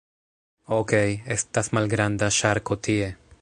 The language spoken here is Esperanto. Okej, estas malgranda ŝarko tie...